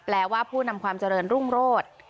ว่าผู้นำความเจริญรุ่งโรธ